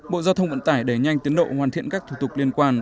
bộ giao thông vận tải đẩy nhanh tiến độ hoàn thiện các thủ tục liên quan